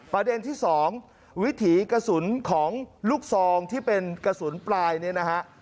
ประเด็นที่๒วิถีกระสุนของลูกซองที่เป็นกระสุนปลายเนี่ยนะฮะ